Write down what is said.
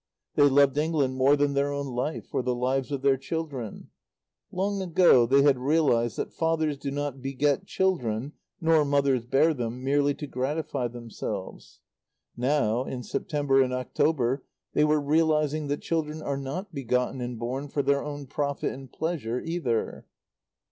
They loved England more than their own life or the lives of their children. Long ago they had realized that fathers do not beget children nor mothers bear them merely to gratify themselves. Now, in September and October, they were realizing that children are not begotten and born for their own profit and pleasure either.